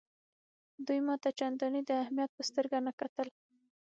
دوی ما ته چنداني د اهمیت په سترګه نه کتل.